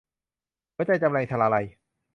หัวใจจำแลง - ชลาลัย